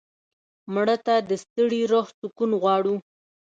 مړه ته د ستړي روح سکون غواړو